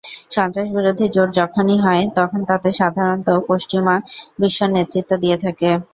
সন্ত্রাসবিরোধী জোট যখনই হয়, তখন তাতে সাধারণত পশ্চিমা বিশ্ব নেতৃত্ব দিয়ে থাকে।